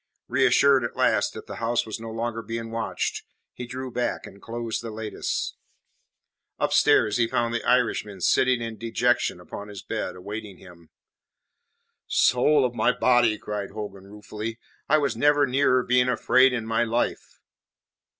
Reassured at last that the house was no longer being watched, he drew back, and closed the lattice. Upstairs he found the Irishman seated in dejection upon his bed, awaiting him. "Soul of my body!" cried Hogan ruefully, "I was never nearer being afraid in my life."